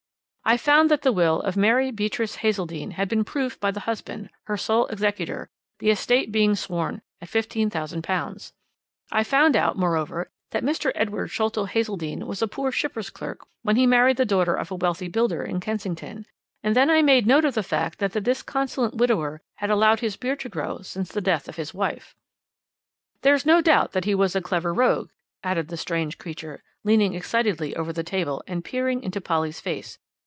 "I found that the will of Mary Beatrice Hazeldene had been proved by the husband, her sole executor, the estate being sworn at £15,000. I found out, moreover, that Mr. Edward Sholto Hazeldene was a poor shipper's clerk when he married the daughter of a wealthy builder in Kensington and then I made note of the fact that the disconsolate widower had allowed his beard to grow since the death of his wife. "There's no doubt that he was a clever rogue," added the strange creature, leaning excitedly over the table, and peering into Polly's face.